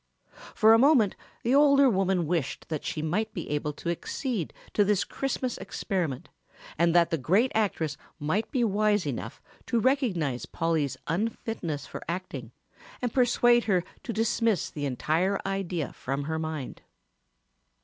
For a moment the older woman wished that she might be able to accede to this Christmas experiment and that the great actress might be wise enough to recognize Polly's unfitness for acting and persuade her to dismiss the entire idea from her mind.